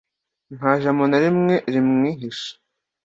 nta n’ijambo na rimwe rimwihisha.